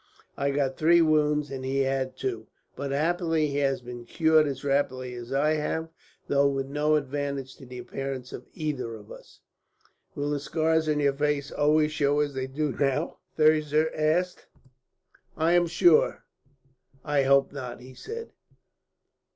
I got three wounds and he had two, but happily he has been cured as rapidly as I have, though with no advantage to the appearance of either of us." "Will the scars on your face always show as they do now?" Thirza asked. "I am sure I hope not," he said.